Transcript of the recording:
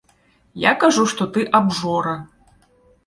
Я кажу, што ты абжора.